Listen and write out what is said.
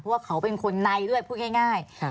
เพราะว่าเขาเป็นคนในด้วยพูดง่าย